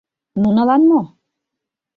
— Нунылан мо?